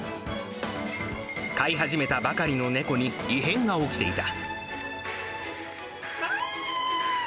飼い始めたばかりの猫に異変が起きていた。